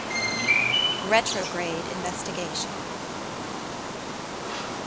RETROGRADE INVESTIGATION.